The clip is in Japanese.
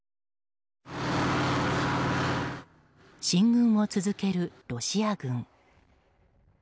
進軍を続けるロシア軍。